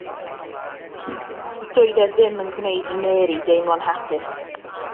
Doedd e ddim yn gwneud i Mary deimlo'n hapus.